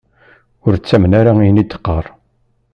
Ur ttamen ara ayen i d-teqqar.